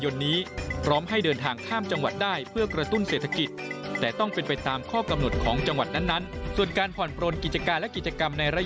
ติดตามจากรายงานครับ